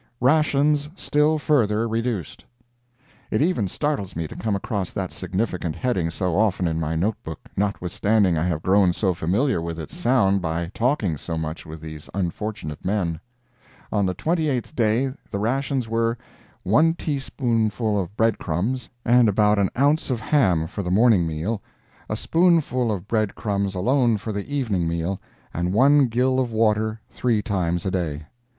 RATIONS STILL FURTHER REDUCED It even startles me to come across that significant heading so often in my note book, notwithstanding I have grown so familiar with its sound by talking so much with these unfortunate men. On the twenty eighth day the rations were: One teaspoonful of bread crumbs and about an ounce of ham for the morning meal; a spoonful of bread crumbs alone for the evening meal, and one gill of water three times a day!